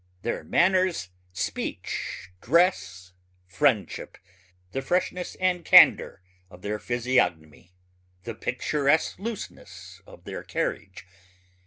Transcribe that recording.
Their manners speech dress friendship the freshness and candor of their physiognomy the picturesque looseness of their carriage